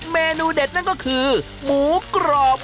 เมนูเด็ดนั่นก็คือหมูกรอบ